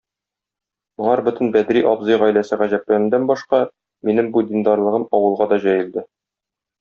Моңар бөтен Бәдри абзый гаиләсе гаҗәпләнүдән башка, минем бу диндарлыгым авылга да җәелде.